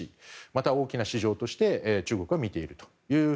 また、大きな市場として中国が見ていると。